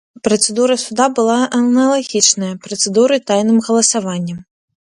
Працэдура суда была аналагічная працэдуры тайным галасаваннем.